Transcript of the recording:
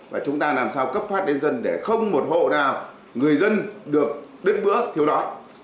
và chúng ta làm sao cấp phát đến dân để không một hộ nào người dân được biết bữa thiếu đói